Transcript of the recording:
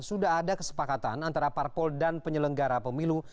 sudah ada kesepakatan antara parpol dan penyelenggara pemilu